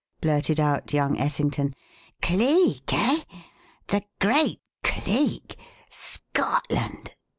blurted out young Essington. "Cleek, eh? the great Cleek? Scotland!"